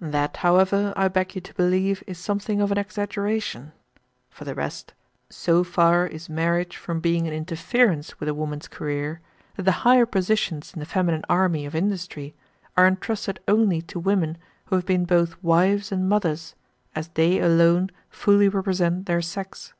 That, however, I beg you to believe, is something of an exaggestion. For the rest, so far is marriage from being an interference with a woman's career, that the higher positions in the feminine army of industry are intrusted only to women who have been both wives and mothers, as they alone fully represent their sex."